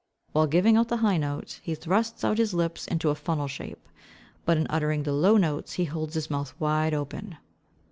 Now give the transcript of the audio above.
While giving out the high notes he thrusts out his lips into a funnel shape, but in uttering the low notes he holds his mouth wide open."